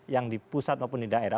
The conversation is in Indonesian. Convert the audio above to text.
yang di pusat maupun di daerah